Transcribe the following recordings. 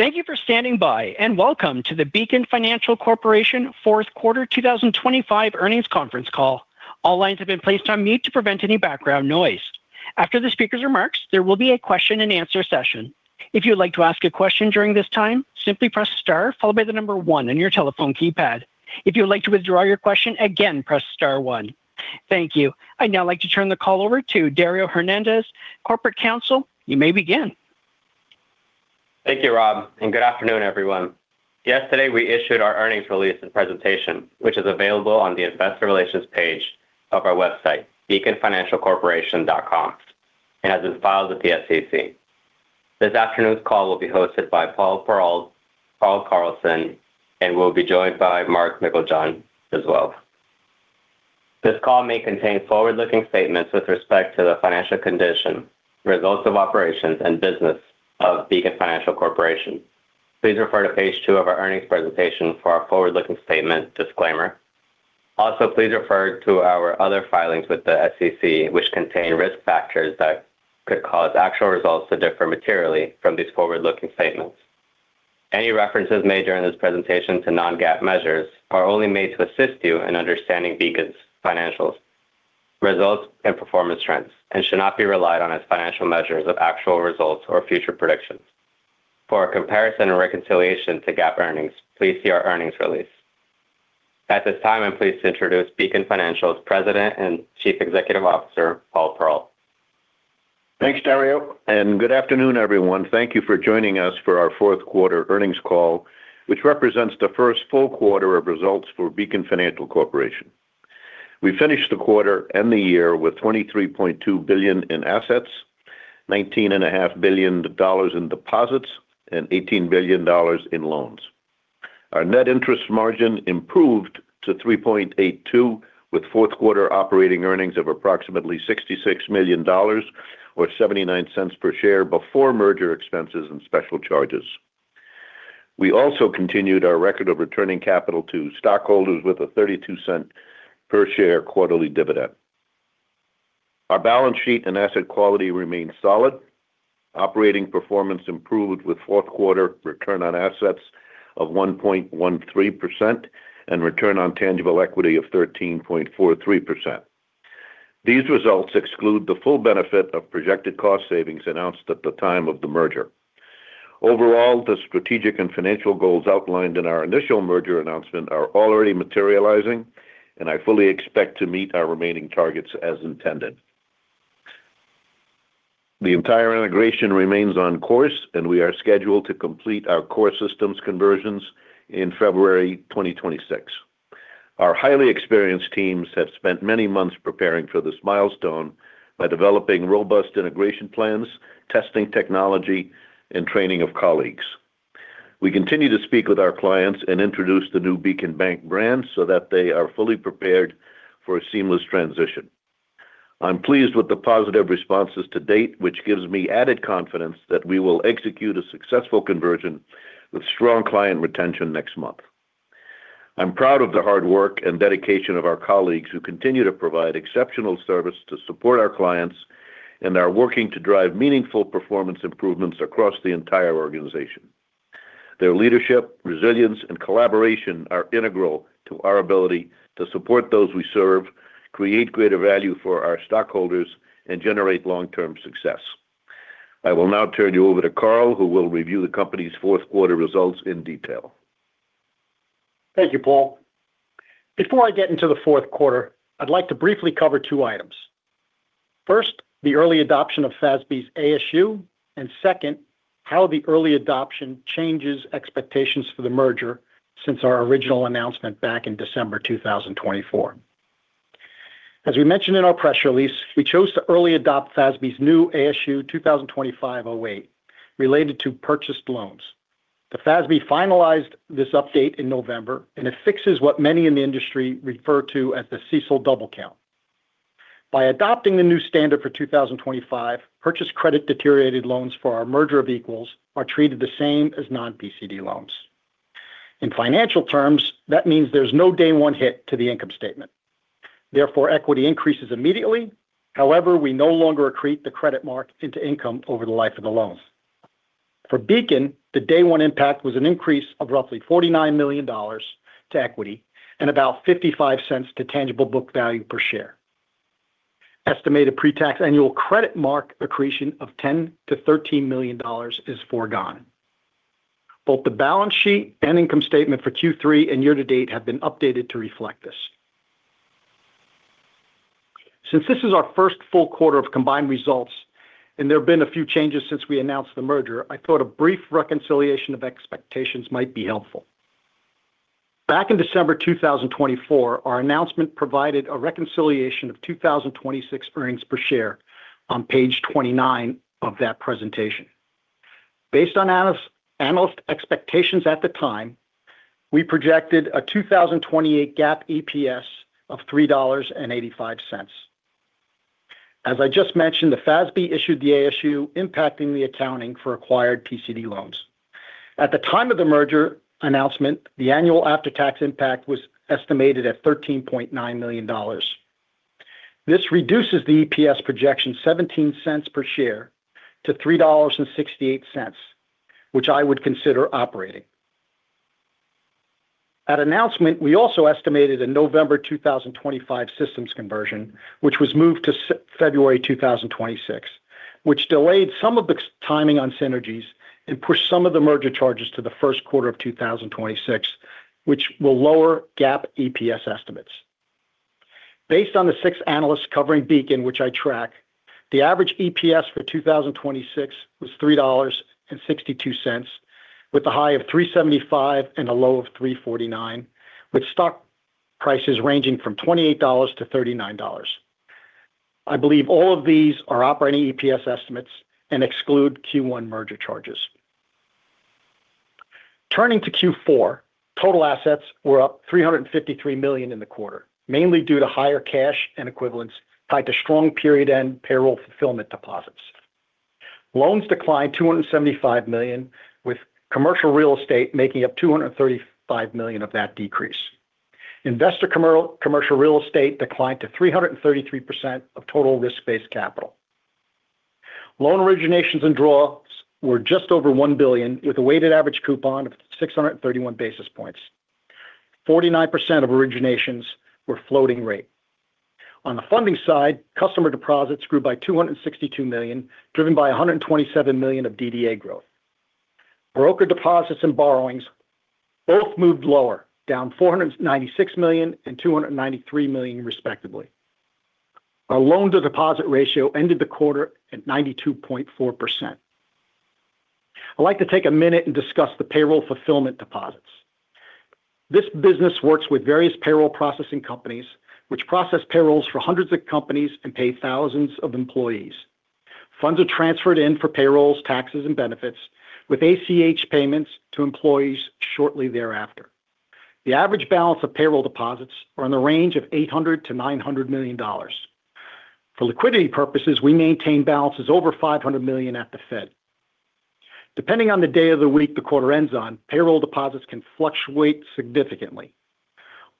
Thank you for standing by, and welcome to the Beacon Financial Corporation FourthQquarter 2025 earnings conference call. All lines have been placed on mute to prevent any background noise. After the speaker's remarks, there will be a question and answer session. If you'd like to ask a question during this time, simply press star followed by the number one on your telephone keypad. If you would like to withdraw your question, again, press star one. Thank you. I'd now like to turn the call over to Dario Hernandez, Corporate Counsel. You may begin. Thank you, Rob, and good afternoon, everyone. Yesterday, we issued our earnings release and presentation, which is available on the investor relations page of our website, beaconfinancialcorporation.com, and has been filed with the SEC. This afternoon's call will be hosted by Paul Perrault, Paul Perrault, and we'll be joined by Mark Meiklejohn as well. This call may contain forward-looking statements with respect to the financial condition, results of operations, and business of Beacon Financial Corporation. Please refer to page two of our earnings presentation for our forward-looking statement disclaimer. Also, please refer to our other filings with the SEC, which contain risk factors that could cause actual results to differ materially from these forward-looking statements. Any references made during this presentation to non-GAAP measures are only made to assist you in understanding Beacon's financials, results, and performance trends, and should not be relied on as financial measures of actual results or future predictions. For a comparison and reconciliation to GAAP earnings, please see our earnings release. At this time, I'm pleased to introduce Beacon Financial's President and Chief Executive Officer, Paul Perrault. Thanks, Dario, and good afternoon, everyone. Thank you for joining us for our fourth quarter earnings call, which represents the first full quarter of results for Beacon Financial Corporation. We finished the quarter and the year with $23.2 billion in assets, $19.5 billion in deposits, and $18 billion in loans. Our net interest margin improved to 3.82, with fourth quarter operating earnings of approximately $66 million or 79 cents per share before merger expenses and special charges. We also continued our record of returning capital to stockholders with a 32-cent per share quarterly dividend. Our balance sheet and asset quality remained solid. Operating performance improved with fourth quarter return on assets of 1.13% and return on tangible equity of 13.43%. These results exclude the full benefit of projected cost savings announced at the time of the merger. Overall, the strategic and financial goals outlined in our initial merger announcement are already materializing, and I fully expect to meet our remaining targets as intended. The entire integration remains on course, and we are scheduled to complete our core systems conversions in February 2026. Our highly experienced teams have spent many months preparing for this milestone by developing robust integration plans, testing technology, and training of colleagues. We continue to speak with our clients and introduce the new Beacon Bank brand so that they are fully prepared for a seamless transition. I'm pleased with the positive responses to date, which gives me added confidence that we will execute a successful conversion with strong client retention next month. I'm proud of the hard work and dedication of our colleagues who continue to provide exceptional service to support our clients and are working to drive meaningful performance improvements across the entire organization. Their leadership, resilience, and collaboration are integral to our ability to support those we serve, create greater value for our stockholders, and generate long-term success. I will now turn you over to Carl, who will review the company's fourth quarter results in detail. Thank you, Paul. Before I get into the fourth quarter, I'd like to briefly cover two items. First, the early adoption of FASB's ASU, and second, how the early adoption changes expectations for the merger since our original announcement back in December 2024. As we mentioned in our press release, we chose to early adopt FASB's new ASU 2025-08, related to purchased loans. The FASB finalized this update in November, and it fixes what many in the industry refer to as the CECL double count. By adopting the new standard for 2025, purchased credit deteriorated loans for our merger of equals are treated the same as non-PCD loans. In financial terms, that means there's no day one hit to the income statement. Therefore, equity increases immediately. However, we no longer accrete the credit mark into income over the life of the loans. For Beacon, the day one impact was an increase of roughly $49 million to equity and about $0.55 to tangible book value per share. Estimated pre-tax annual credit mark accretion of $10 million-$13 million is foregone. Both the balance sheet and income statement for Q3 and year to date have been updated to reflect this. Since this is our first full quarter of combined results and there have been a few changes since we announced the merger, I thought a brief reconciliation of expectations might be helpful. Back in December 2024, our announcement provided a reconciliation of 2026 earnings per share on page 29 of that presentation. Based on analyst expectations at the time, we projected a 2028 GAAP EPS of $3.85. As I just mentioned, the FASB issued the ASU, impacting the accounting for acquired PCD loans. At the time of the merger announcement, the annual after-tax impact was estimated at $13.9 million. This reduces the EPS projection $0.17 per share to $3.68, which I would consider operating. At announcement, we also estimated a November 2025 systems conversion, which was moved to February 2026, which delayed some of the timing on synergies and pushed some of the merger charges to the first quarter of 2026, which will lower GAAP EPS estimates. Based on the six analysts covering Beacon, which I track, the average EPS for 2026 was $3.62, with a high of $3.75 and a low of $3.49, with stock prices ranging from $28-$39. I believe all of these are operating EPS estimates and exclude Q1 merger charges. Turning to Q4, total assets were up $353 million in the quarter, mainly due to higher cash and equivalents tied to strong period-end payroll fulfillment deposits. Loans declined $275 million, with commercial real estate making up $235 million of that decrease. Investor commercial real estate declined to 333% of total risk-based capital. Loan originations and draws were just over $1 billion, with a weighted average coupon of 631 basis points. 49% of originations were floating rate. On the funding side, customer deposits grew by $262 million, driven by $127 million of DDA growth. Broker deposits and borrowings both moved lower, down $496 million and $293 million, respectively. Our loan-to-deposit ratio ended the quarter at 92.4%. I'd like to take a minute and discuss the payroll fulfillment deposits. This business works with various payroll processing companies, which process payrolls for hundreds of companies and pay thousands of employees. Funds are transferred in for payrolls, taxes, and benefits, with ACH payments to employees shortly thereafter. The average balance of payroll deposits are in the range of $800 million-$900 million. For liquidity purposes, we maintain balances over $500 million at the Fed. Depending on the day of the week the quarter ends on, payroll deposits can fluctuate significantly.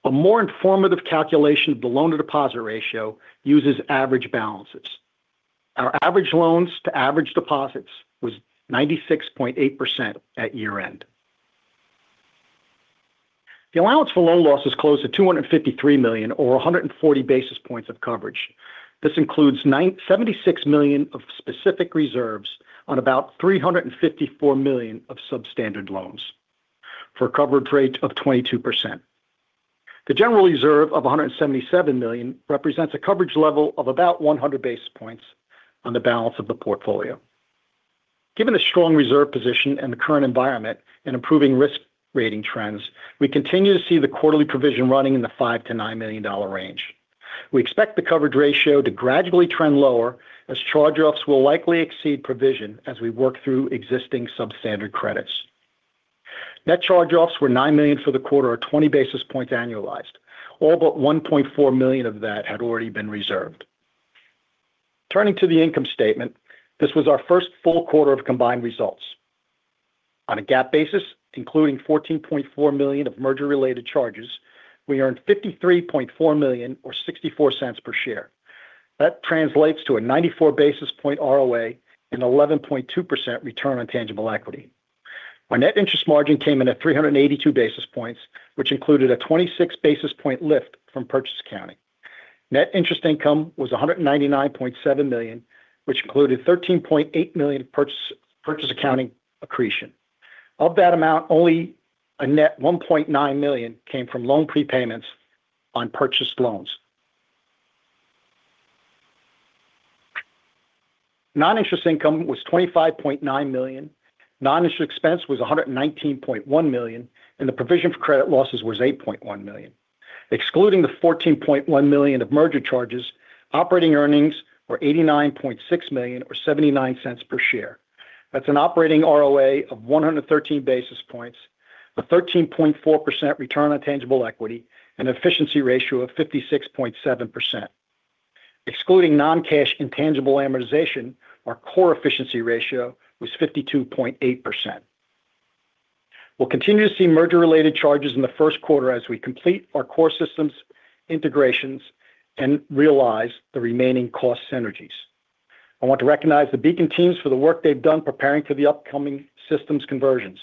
A more informative calculation of the loan-to-deposit ratio uses average balances. Our average loans to average deposits was 96.8% at year-end. The allowance for loan losses closed at $253 million or 140 basis points of coverage. This includes $96 million of specific reserves on about $354 million of substandard loans, for a coverage rate of 22%. The general reserve of $177 million represents a coverage level of about 100 basis points on the balance of the portfolio. Given the strong reserve position and the current environment and improving risk rating trends, we continue to see the quarterly provision running in the $5 million-$9 million range. We expect the coverage ratio to gradually trend lower, as charge-offs will likely exceed provision as we work through existing substandard credits. Net charge-offs were $9 million for the quarter, or 20 basis points annualized. All but $1.4 million of that had already been reserved. Turning to the income statement, this was our first full quarter of combined results. On a GAAP basis, including $14.4 million of merger-related charges, we earned $53.4 million or $0.64 per share. That translates to a 94 basis point ROA and 11.2% return on tangible equity. Our net interest margin came in at 382 basis points, which included a 26 basis point lift from purchase accounting. Net interest income was $199.7 million, which included $13.8 million purchase accounting accretion. Of that amount, only a net $1.9 million came from loan prepayments on purchased loans. Non-interest income was $25.9 million, non-interest expense was $119.1 million, and the provision for credit losses was $8.1 million. Excluding the $14.1 million of merger charges, operating earnings were $89.6 million or $0.79 per share. That's an operating ROA of 113 basis points, a 13.4% return on tangible equity, and efficiency ratio of 56.7%. Excluding non-cash intangible amortization, our core efficiency ratio was 52.8%. We'll continue to see merger-related charges in the first quarter as we complete our core systems integrations and realize the remaining cost synergies. I want to recognize the Beacon teams for the work they've done preparing for the upcoming systems conversions.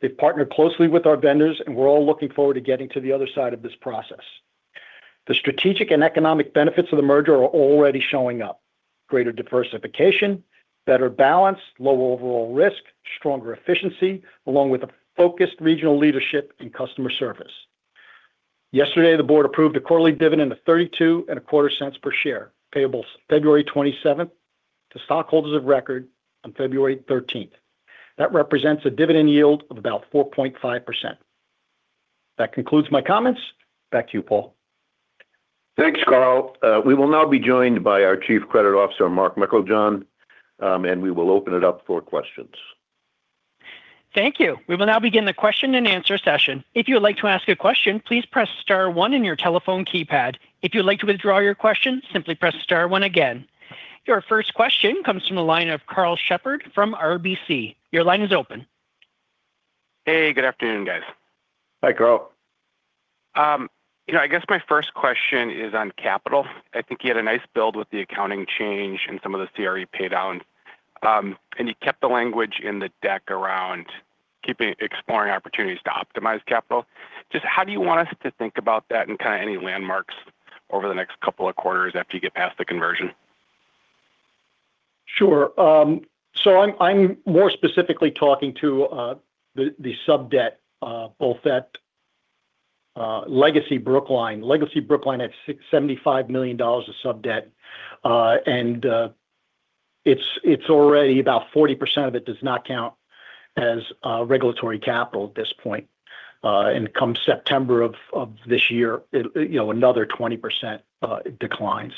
They've partnered closely with our vendors, and we're all looking forward to getting to the other side of this process. The strategic and economic benefits of the merger are already showing up: greater diversification, better balance, low overall risk, stronger efficiency, along with a focused regional leadership and customer service. Yesterday, the board approved a quarterly dividend of $0.3225 per share, payable February 27th, to stockholders of record on February 13th. That represents a dividend yield of about 4.5%. That concludes my comments. Back to you, Paul. Thanks, Carl. We will now be joined by our Chief Credit Officer, Mark Meiklejohn, and we will open it up for questions. Thank you. We will now begin the question-and-answer session. If you would like to ask a question, please press star one in your telephone keypad. If you would like to withdraw your question, simply press star one again. Your first question comes from the line of Karl Shepard from RBC. Your line is open.... Hey, good afternoon, guys. Hi, Carl. You know, I guess my first question is on capital. I think you had a nice build with the accounting change and some of the CRE paydown. And you kept the language in the deck around exploring opportunities to optimize capital. Just how do you want us to think about that and kind of any landmarks over the next couple of quarters after you get past the conversion? Sure. So I'm more specifically talking to the subdebt both at Legacy Brookline. Legacy Brookline had $75 million of subdebt. And it's already about 40% of it does not count as regulatory capital at this point. And come September of this year, you know, another 20% declines.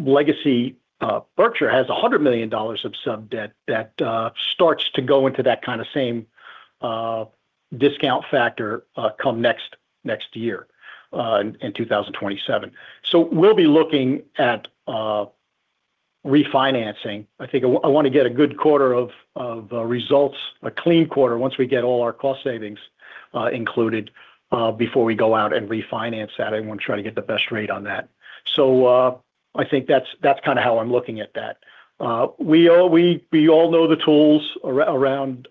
Legacy Berkshire has $100 million of subdebt that starts to go into that kind of same discount factor come next year in 2027. So we'll be looking at refinancing. I think I want to get a good quarter of results, a clean quarter, once we get all our cost savings included before we go out and refinance that. I want to try to get the best rate on that. So, I think that's, that's kind of how I'm looking at that. We all know the tools around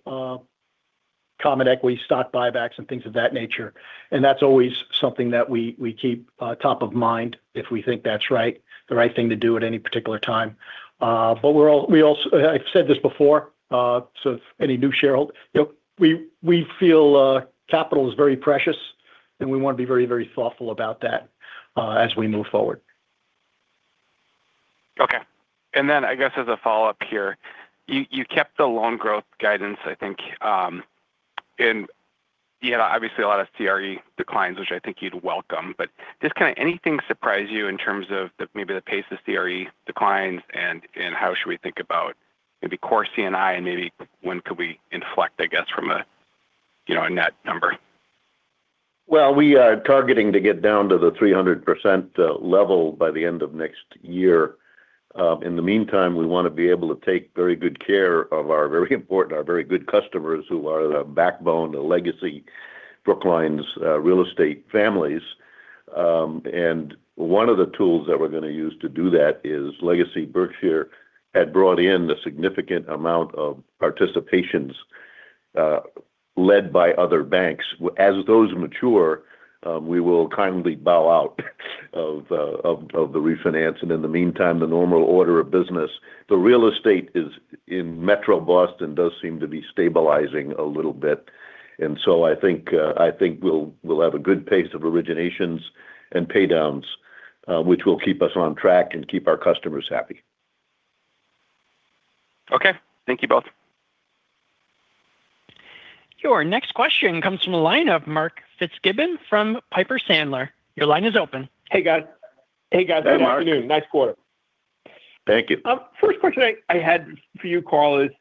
common equity, stock buybacks, and things of that nature, and that's always something that we, we keep top of mind if we think that's right, the right thing to do at any particular time. But we're all... we also. I've said this before, so any new shareholder, you know, we, we feel capital is very precious, and we want to be very, very thoughtful about that, as we move forward. Okay. And then I guess, as a follow-up here, you, you kept the loan growth guidance, I think, and you had obviously a lot of CRE declines, which I think you'd welcome. But does kind of anything surprise you in terms of the maybe the pace of CRE declines and, and how should we think about maybe core CNI and maybe when could we inflect, I guess, from a, you know, a net number? Well, we are targeting to get down to the 300% level by the end of next year. In the meantime, we want to be able to take very good care of our very important, our very good customers who are the backbone of Legacy Brookline's real estate families. And one of the tools that we're going to use to do that is Legacy Berkshire had brought in a significant amount of participations led by other banks. As those mature, we will kindly bow out of the refinance and in the meantime, the normal order of business. The real estate is in Metro Boston, does seem to be stabilizing a little bit, and so I think, I think we'll, we'll have a good pace of originations and paydowns, which will keep us on track and keep our customers happy. Okay. Thank you both. Your next question comes from the line of Mark Fitzgibbon from Piper Sandler. Your line is open. Hey, guys. Hey, guys- Hey, Mark. Good afternoon. Nice quarter. Thank you. First question I had for you, Carl, is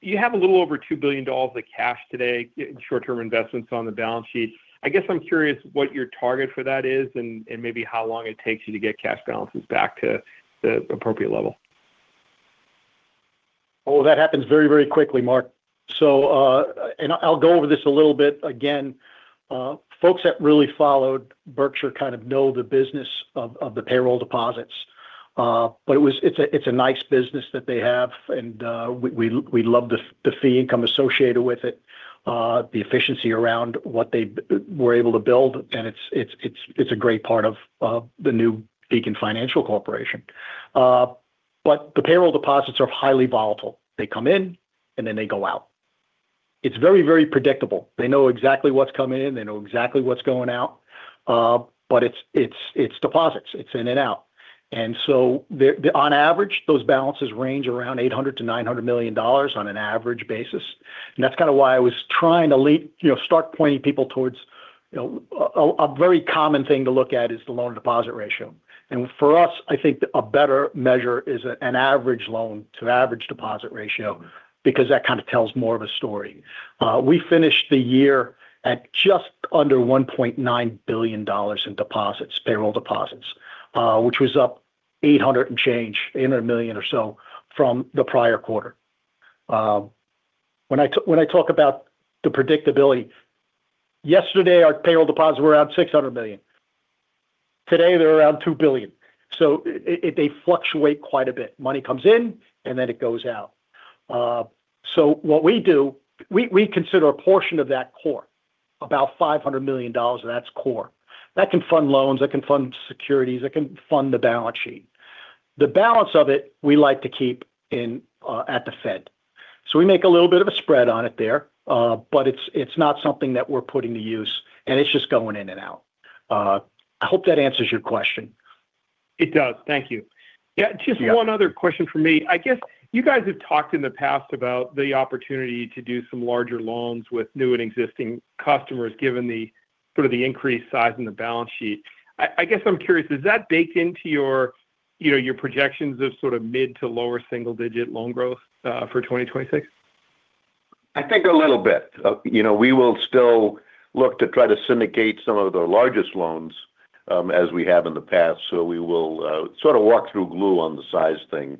you have a little over $2 billion of cash today in short-term investments on the balance sheet. I guess I'm curious what your target for that is and maybe how long it takes you to get cash balances back to the appropriate level. Oh, that happens very, very quickly, Mark. So, I'll go over this a little bit again. Folks that really followed Berkshire kind of know the business of the payroll deposits. But it was—it's a nice business that they have, and we love the fee income associated with it, the efficiency around what they were able to build, and it's a great part of the new Beacon Financial Corporation. But the payroll deposits are highly volatile. They come in, and then they go out. It's very, very predictable. They know exactly what's coming in, they know exactly what's going out, but it's deposits, it's in and out. On average, those balances range around $800 million-$900 million on an average basis, and that's kind of why I was trying to lead, you know, start pointing people towards, you know. A very common thing to look at is the loan-to-deposit ratio. For us, I think a better measure is an average loan to average deposit ratio, because that kind of tells more of a story. We finished the year at just under $1.9 billion in deposits, payroll deposits, which was up $800 million or so from the prior quarter. When I talk about the predictability, yesterday, our payroll deposits were around $600 million. Today, they're around $2 billion. So they fluctuate quite a bit. Money comes in, and then it goes out. So what we do, we consider a portion of that core, about $500 million, and that's core. That can fund loans, that can fund securities, that can fund the balance sheet. The balance of it, we like to keep in at the Fed. So we make a little bit of a spread on it there, but it's not something that we're putting to use, and it's just going in and out. I hope that answers your question. It does. Thank you. Yeah. Yeah. Just one other question for me. I guess you guys have talked in the past about the opportunity to do some larger loans with new and existing customers, given the sort of the increased size in the balance sheet. I, I guess I'm curious, is that baked into your, you know, your projections of sort of mid to lower single-digit loan growth for 2026? I think a little bit. You know, we will still look to try to syndicate some of the largest loans-... as we have in the past. We will sort of walk through clue on the size thing.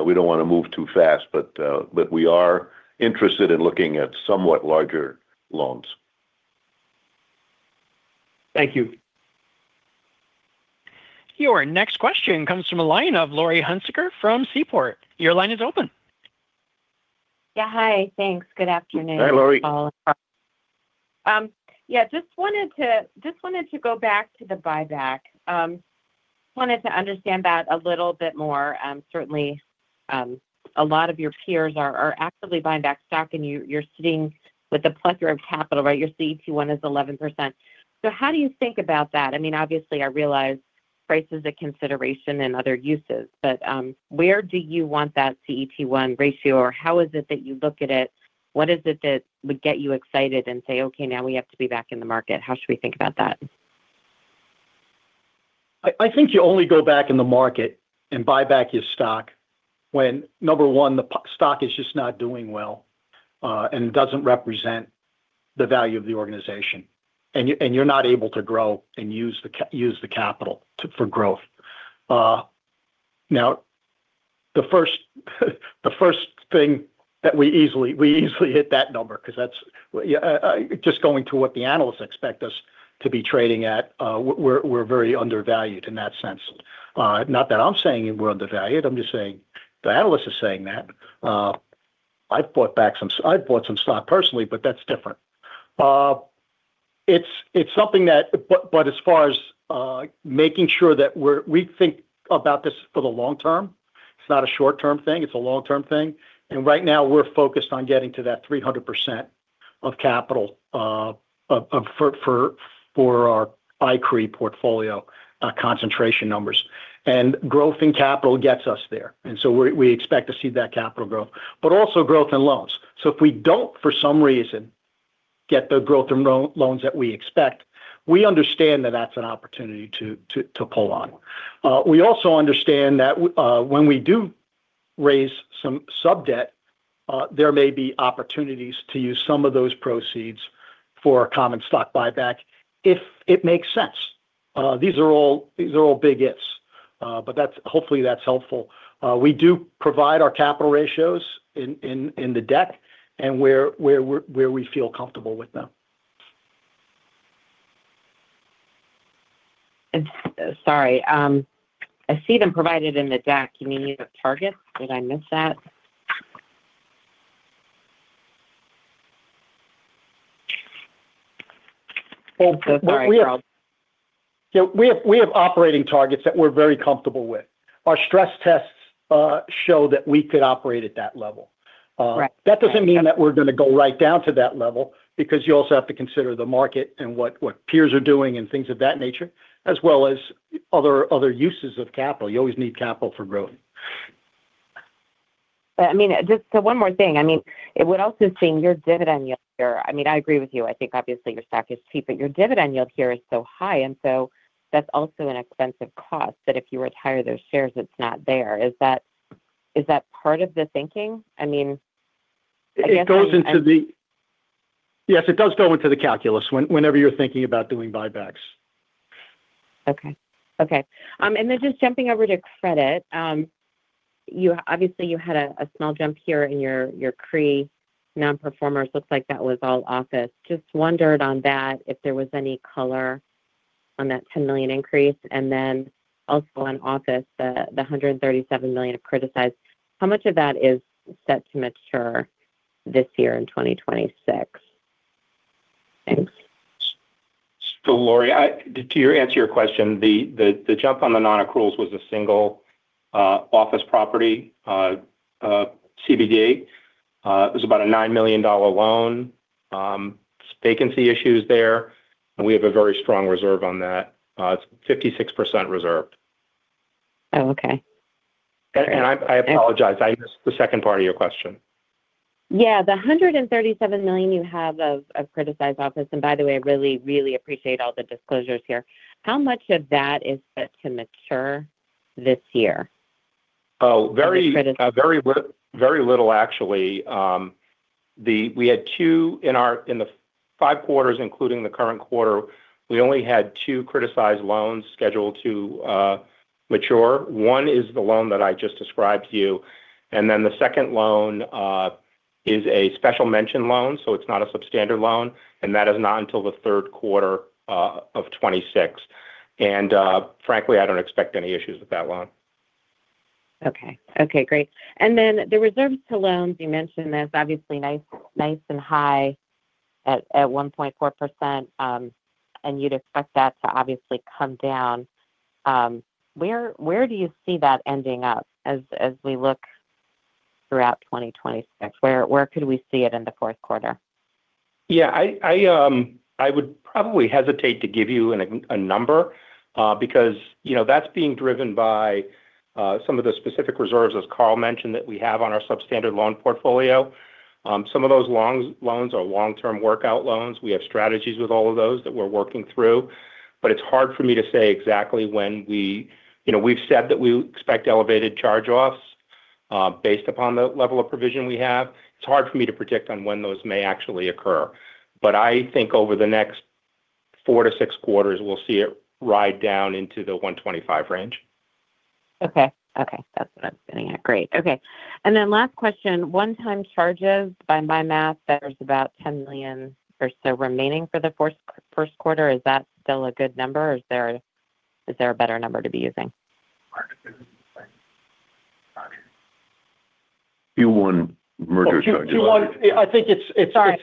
We don't wanna move too fast, but, but we are interested in looking at somewhat larger loans. Thank you. Your next question comes from a line of Laurie Hunsicker from Seaport. Your line is open. Yeah, hi. Thanks. Good afternoon- Hi, Laurie To you all. Yeah, just wanted to, just wanted to go back to the buyback. Wanted to understand that a little bit more. Certainly, a lot of your peers are actively buying back stock, and you, you're sitting with a plethora of capital, right? Your CET1 is 11%. So how do you think about that? I mean, obviously, I realize price is a consideration and other uses, but, where do you want that CET1 ratio, or how is it that you look at it? What is it that would get you excited and say, "Okay, now we have to be back in the market"? How should we think about that? I think you only go back in the market and buy back your stock when, number one, the stock is just not doing well, and it doesn't represent the value of the organization, and you're not able to grow and use the capital for growth. Now, the first thing that we easily hit that number, 'cause that's just going to what the analysts expect us to be trading at, we're very undervalued in that sense. Not that I'm saying we're undervalued, I'm just saying the analyst is saying that. I've bought back some—I've bought some stock personally, but that's different. It's something that... But as far as making sure that we think about this for the long term, it's not a short-term thing, it's a long-term thing, and right now we're focused on getting to that 300% of capital for our ICRE portfolio concentration numbers. And growth in capital gets us there, and so we expect to see that capital growth. But also growth in loans. So if we don't, for some reason, get the growth in loans that we expect, we understand that that's an opportunity to pull on. We also understand that when we do raise some sub-debt, there may be opportunities to use some of those proceeds for common stock buyback if it makes sense. These are all big ifs, but that's, hopefully, that's helpful. We do provide our capital ratios in the deck and where we feel comfortable with them. Sorry, I see them provided in the deck. You mean the targets? Did I miss that? Well, we are- Sorry, Carl. Yeah, we have operating targets that we're very comfortable with. Our stress tests show that we could operate at that level. Right. That doesn't mean that we're gonna go right down to that level, because you also have to consider the market and what, what peers are doing and things of that nature, as well as other, other uses of capital. You always need capital for growth. I mean, just so one more thing. I mean, it would also seem your dividend yield here. I mean, I agree with you. I think obviously your stock is cheap, but your dividend yield here is so high, and so that's also an expensive cost, that if you retire those shares, it's not there. Is that, is that part of the thinking? I mean, I guess, I- It goes into the... Yes, it does go into the calculus whenever you're thinking about doing buybacks. Okay. Okay. And then just jumping over to credit, you obviously had a small jump here in your CRE non-performers. Looks like that was all office. Just wondered on that, if there was any color on that $10 million increase. And then also on office, the $137 million of criticized. How much of that is set to mature this year in 2026? Thanks. So, Laurie, to answer your question, the jump on the non-accruals was a single office property. CBD, it was about a $9 million loan. Vacancy issues there, and we have a very strong reserve on that. It's 56% reserved. Oh, okay. I apologize. I missed the second part of your question. Yeah. The $137 million you have of, of criticized office, and by the way, I really, really appreciate all the disclosures here. How much of that is set to mature this year? Oh, very- The credit- Very little, actually. We had two in the five quarters, including the current quarter, we only had two criticized loans scheduled to mature. One is the loan that I just described to you, and then the second loan is a special mention loan, so it's not a substandard loan, and that is not until the third quarter of 2026. Frankly, I don't expect any issues with that loan. Okay. Okay, great. And then the reserves to loans you mentioned is obviously nice, nice and high at, at 1.4%. And you'd expect that to obviously come down. Where, where do you see that ending up as, as we look throughout 2026? Where, where could we see it in the fourth quarter? Yeah, I would probably hesitate to give you a number, because, you know, that's being driven by some of the specific reserves, as Carl mentioned, that we have on our substandard loan portfolio. Some of those loans are long-term workout loans. We have strategies with all of those that we're working through, but it's hard for me to say exactly when we. You know, we've said that we expect elevated charge-offs.... based upon the level of provision we have. It's hard for me to predict on when those may actually occur, but I think over the next four to six quarters, we'll see it ride down into the 125 range. Okay. Okay, that's what I'm getting at. Great. Okay, and then last question, one-time charges, by my math, there's about $10 million or so remaining for the first quarter. Is that still a good number, or is there, is there a better number to be using? Q1 merger charge. Q1, I think it's Sorry.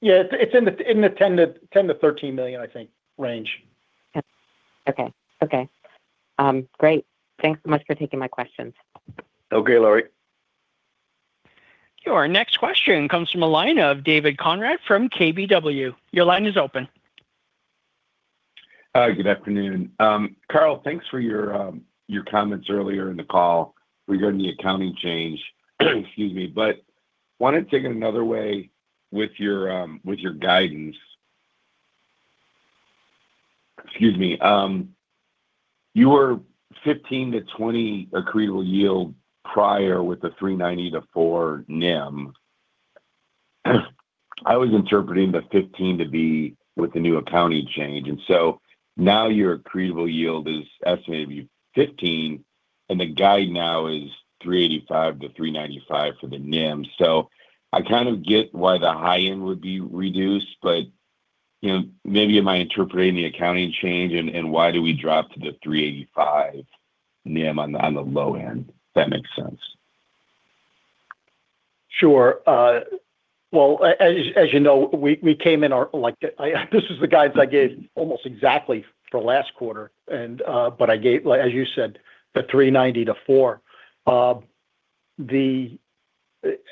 Yeah, it's in the $10 million-$13 million range, I think. Okay. Okay. Great. Thanks so much for taking my questions. Okay, Laurie. Your next question comes from the line of David Konrad from KBW. Your line is open. Good afternoon. Carl, thanks for your comments earlier in the call regarding the accounting change. But wanted to take it another way with your guidance. You were 15-20 accretable yield prior with the 3.90-4 NIM. I was interpreting the 15 to be with the new accounting change, and so now your accretable yield is estimated to be 15, and the guide now is 3.85-3.95 for the NIM. So I kind of get why the high end would be reduced, but, you know, maybe am I interpreting the accounting change, and, and why do we drop to the 3.85 NIM on the low end? If that makes sense. Sure. Well, as you know, we came in, like, this is the guidance I gave almost exactly for last quarter, and, but I gave, like, as you said, the $3.90-$4.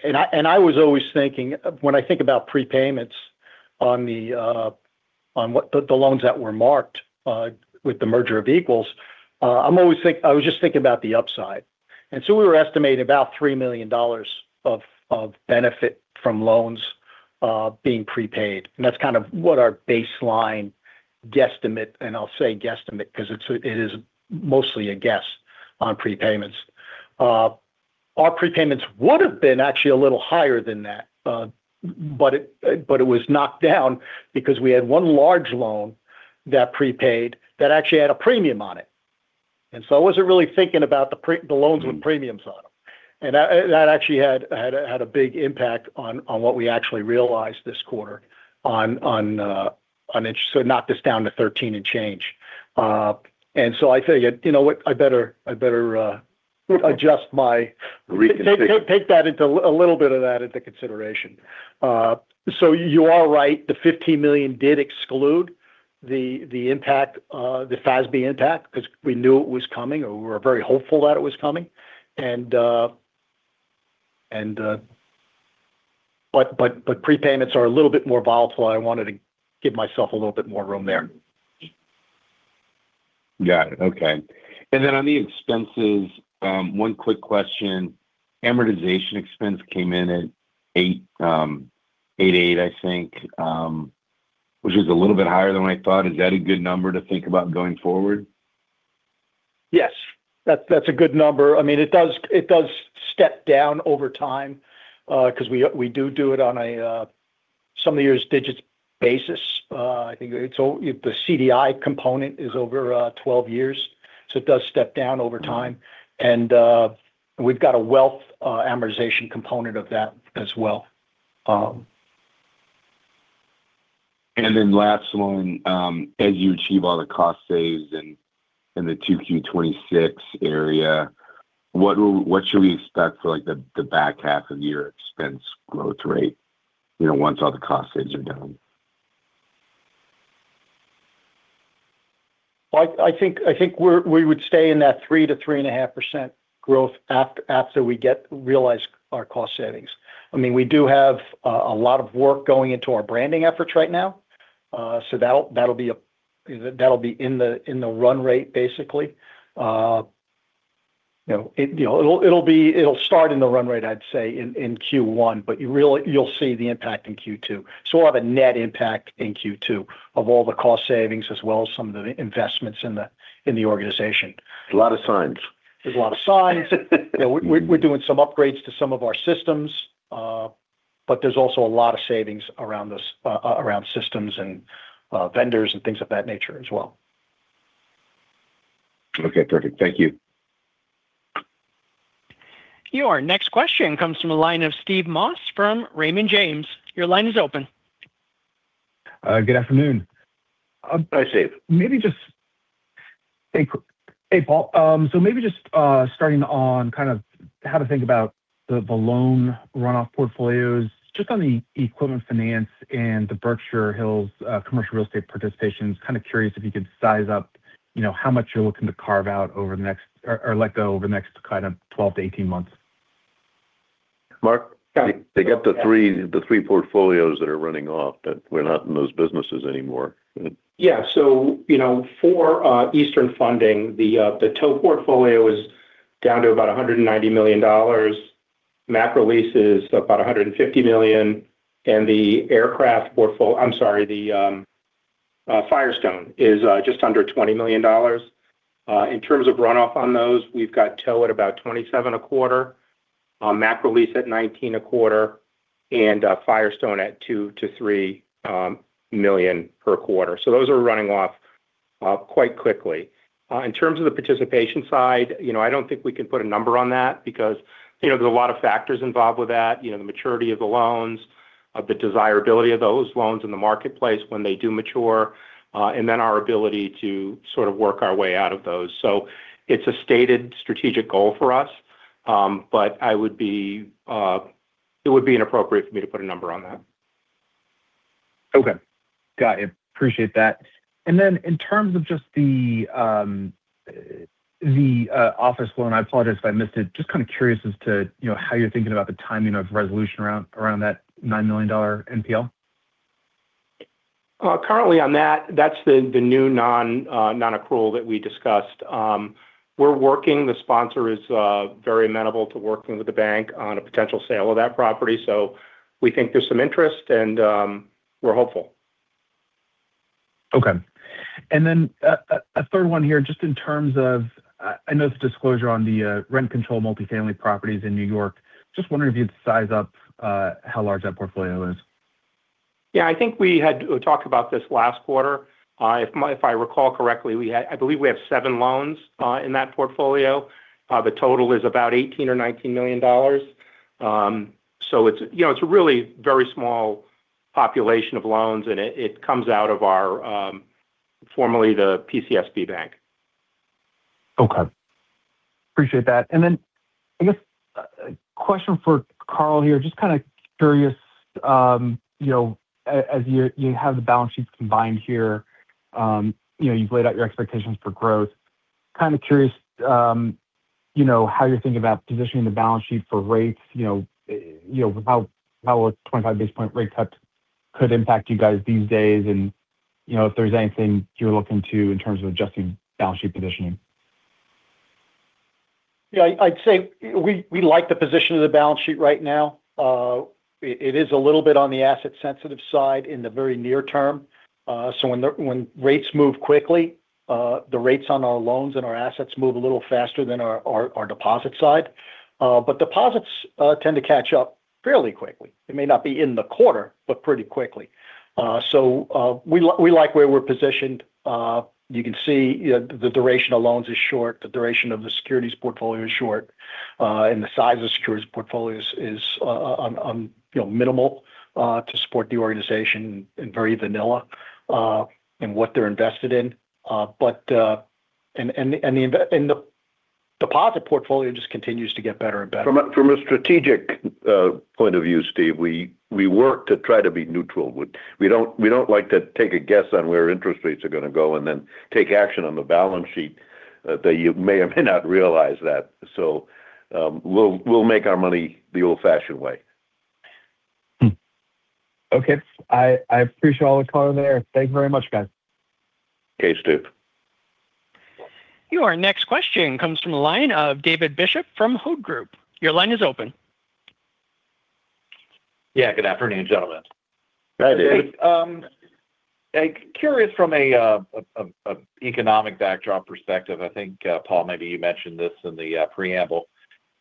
And I was always thinking, when I think about prepayments on the loans that were marked with the merger of equals, I was just thinking about the upside. And so we were estimating about $3 million of benefit from loans being prepaid, and that's kind of what our baseline guesstimate, and I'll say guesstimate because it is mostly a guess on prepayments. Our prepayments would have been actually a little higher than that, but it was knocked down because we had one large loan that prepaid that actually had a premium on it. And so I wasn't really thinking about the loans with premiums on them. Mm-hmm. And that actually had a big impact on what we actually realized this quarter on interest, so it knocked us down to 13 and change. And so I figure, you know what? I better adjust my- Reconfigure... take that into a little bit of that into consideration. So you are right, the $15 million did exclude the impact, the FASB impact, because we knew it was coming or we were very hopeful that it was coming. And... But prepayments are a little bit more volatile. I wanted to give myself a little bit more room there. Got it. Okay. Then on the expenses, one quick question. Amortization expense came in at $888, I think, which is a little bit higher than what I thought. Is that a good number to think about going forward? Yes. That's, that's a good number. I mean, it does, it does step down over time, because we, we do do it on a sum-of-the-years'-digits basis. I think it's the CDI component is over 12 years, so it does step down over time. Mm-hmm. And, we've got a wealth amortization component of that as well. Then last one, as you achieve all the cost saves and in the 2Q 2026 area, what should we expect for, like, the back half of the year expense growth rate, you know, once all the cost saves are done? Well, I think we're-- we would stay in that 3%-3.5% growth after we realize our cost savings. I mean, we do have a lot of work going into our branding efforts right now. So that'll be in the run rate, basically. You know, it'll start in the run rate, I'd say, in Q1, but you really, you'll see the impact in Q2. So we'll have a net impact in Q2 of all the cost savings, as well as some of the investments in the organization. A lot of signs. There's a lot of signs. Yeah, we're doing some upgrades to some of our systems, but there's also a lot of savings around this, around systems and vendors and things of that nature as well. Okay, perfect. Thank you. Your next question comes from the line of Steve Moss from Raymond James. Your line is open. Good afternoon. Hi, Steve. Hey, Paul. So maybe just starting on kind of how to think about the loan runoff portfolios, just on the equipment finance and the Berkshire Hills commercial real estate participation. Kind of curious if you could size up, you know, how much you're looking to carve out over the next or let go over the next kind of 12-18 months. Mark? Yeah. They got the three, the three portfolios that are running off, that we're not in those businesses anymore. Yeah. So, you know, for Eastern Funding, the tow portfolio is down to about $190 million. Macroleases about $150 million, and the aircraft portfol-- I'm sorry, the-... Firestone is just under $20 million. In terms of runoff on those, we've got Tow at about 27 a quarter, Macrolease at 19 a quarter, and Firestone at $2 million-$3 million per quarter. So those are running off quite quickly. In terms of the participation side, you know, I don't think we can put a number on that because, you know, there's a lot of factors involved with that. You know, the maturity of the loans, the desirability of those loans in the marketplace when they do mature, and then our ability to sort of work our way out of those. So it's a stated strategic goal for us, but I would be-- it would be inappropriate for me to put a number on that. Okay. Got it. Appreciate that. And then in terms of just the office floor, and I apologize if I missed it, just kind of curious as to, you know, how you're thinking about the timing of resolution around that $9 million NPL. Currently on that, that's the new non-accrual that we discussed. We're working. The sponsor is very amenable to working with the bank on a potential sale of that property, so we think there's some interest, and we're hopeful. Okay. And then a third one here, just in terms of, I know it's a disclosure on the rent control multifamily properties in New York. Just wondering if you'd size up how large that portfolio is? Yeah, I think we had talked about this last quarter. If I recall correctly, I believe we have 7 loans in that portfolio. The total is about $18 million or $19 million. So it's, you know, it's a really very small population of loans, and it comes out of our formerly the PCSB Bank. Okay. Appreciate that. And then, I guess, a question for Carl here. Just kind of curious, you know, as you have the balance sheets combined here, you know, you've laid out your expectations for growth. Kind of curious, you know, how you're thinking about positioning the balance sheet for rates, you know, how a 25 basis point rate cut could impact you guys these days, and, you know, if there's anything you're looking to in terms of adjusting balance sheet positioning. Yeah, I'd say we like the position of the balance sheet right now. It is a little bit on the asset-sensitive side in the very near term. So when rates move quickly, the rates on our loans and our assets move a little faster than our deposit side. But deposits tend to catch up fairly quickly. It may not be in the quarter, but pretty quickly. So we like where we're positioned. You can see, you know, the duration of loans is short, the duration of the securities portfolio is short, and the size of the securities portfolio is, you know, minimal to support the organization and very vanilla in what they're invested in. But... And the deposit portfolio just continues to get better and better. From a strategic point of view, Steve, we work to try to be neutral. We don't like to take a guess on where interest rates are gonna go and then take action on the balance sheet that you may or may not realize that. So, we'll make our money the old-fashioned way. Hmm. Okay. I appreciate all the color there. Thank you very much, guys. Okay, Steve. Your next question comes from the line of David Bishop from Hovde Group. Your line is open. Yeah, good afternoon, gentlemen. Hi, David. I'm curious from an economic backdrop perspective, I think, Paul, maybe you mentioned this in the preamble.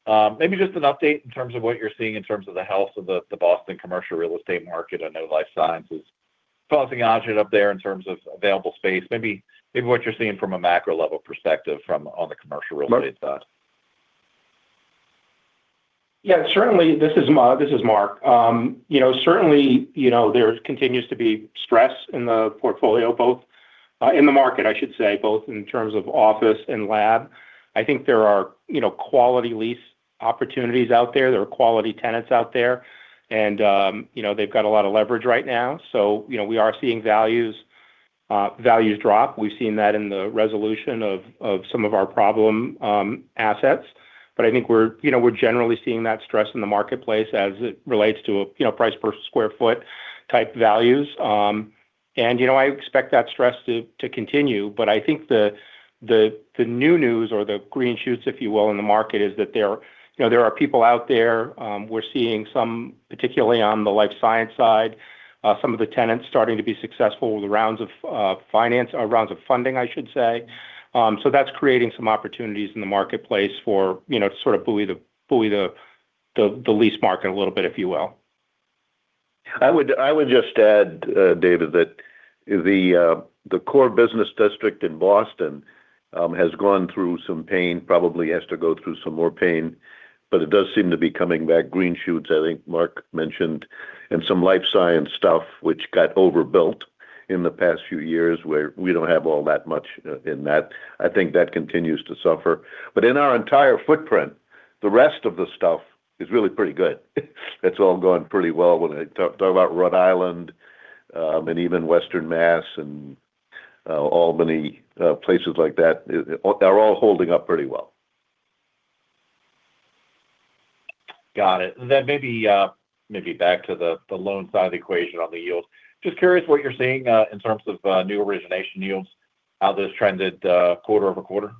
Maybe just an update in terms of what you're seeing in terms of the health of the Boston commercial real estate market. I know life sciences is causing a glut up there in terms of available space. Maybe what you're seeing from a macro-level perspective on the commercial real estate side. Yeah, certainly, this is Mark. You know, certainly, you know, there continues to be stress in the portfolio, both in the market, I should say, both in terms of office and lab. I think there are, you know, quality lease opportunities out there. There are quality tenants out there, and, you know, they've got a lot of leverage right now. So, you know, we are seeing values values drop. We've seen that in the resolution of some of our problem assets. But I think we're, you know, we're generally seeing that stress in the marketplace as it relates to, you know, price per square foot type values. And, you know, I expect that stress to continue, but I think the new news or the green shoots, if you will, in the market is that there, you know, there are people out there. We're seeing some, particularly on the life science side, some of the tenants starting to be successful with rounds of finance or rounds of funding, I should say. So that's creating some opportunities in the marketplace for, you know, to sort of buoy the lease market a little bit, if you will. I would just add, David, that the core business district in Boston has gone through some pain, probably has to go through some more pain, but it does seem to be coming back. Green shoots, I think Mark mentioned, and some life science stuff which got overbuilt in the past few years, where we don't have all that much in that. I think that continues to suffer. But in our entire footprint, the rest of the stuff is really pretty good. It's all going pretty well. When I talk about Rhode Island and even Western Mass and Albany, places like that, they're all holding up pretty well. Got it. Then maybe back to the loan side of the equation on the yields. Just curious what you're seeing in terms of new origination yields, how those trended quarter-over-quarter?...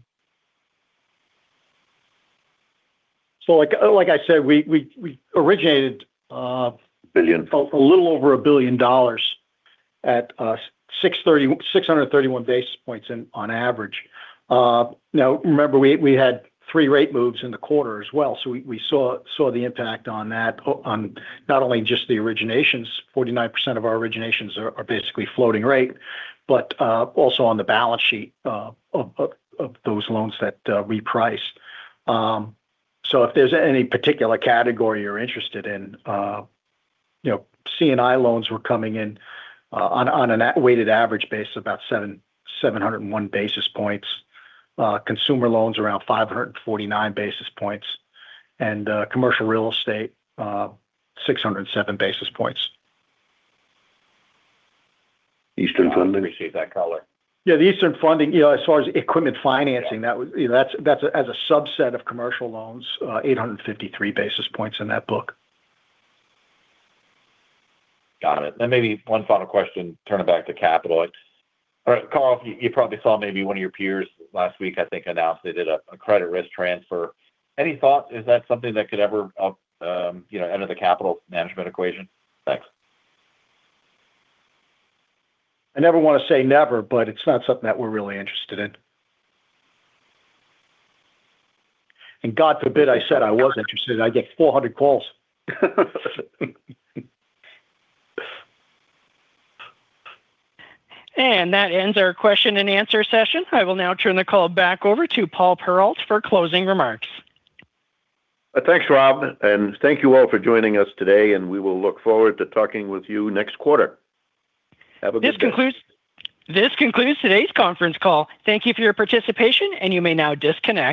So like, like I said, we originated Billion? A little over $1 billion at 631 basis points on average. Now, remember, we had three rate moves in the quarter as well, so we saw the impact on that, on not only just the originations, 49% of our originations are basically floating rate, but also on the balance sheet, of those loans that reprice. So if there's any particular category you're interested in, you know, C&I loans were coming in, on an asset-weighted average basis, about 701 basis points. Consumer loans around 549 basis points, and commercial real estate, 607 basis points. Eastern Funding? I appreciate that, Carl. Yeah, the Eastern Funding, you know, as far as equipment financing, that would—you know, that's, that's as a subset of commercial loans, 853 basis points in that book. Got it. Then maybe one final question, turn it back to capital. All right, Carl, you probably saw maybe one of your peers last week, I think, announced they did a credit risk transfer. Any thought, is that something that could ever, you know, enter the capital management equation? Thanks. I never want to say never, but it's not something that we're really interested in. God forbid, I said I was interested, I'd get 400 calls. That ends our question and answer session. I will now turn the call back over to Paul Perrault for closing remarks. Thanks, Rob, and thank you all for joining us today, and we will look forward to talking with you next quarter. Have a good day. This concludes, this concludes today's conference call. Thank you for your participation, and you may now disconnect.